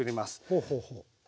ほうほうほう。